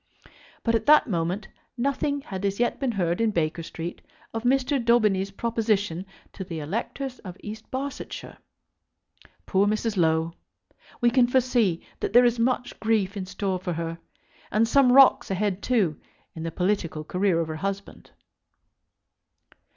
But, at that moment, nothing had as yet been heard in Baker Street of Mr. Daubeny's proposition to the electors of East Barsetshire! Poor Mrs. Low! We can foresee that there is much grief in store for her, and some rocks ahead, too, in the political career of her husband.